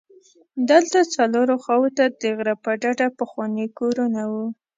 دلته څلورو خواوو ته د غره په ډډه پخواني کورونه وو.